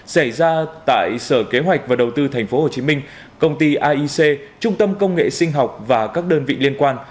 xảy ra tại sở kế hoạch và đầu tư tp hcm công ty aic trung tâm công nghệ sinh học và các đơn vị liên quan